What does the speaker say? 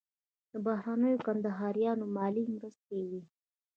د بهرنیو کندهاریو مالي مرستې وې.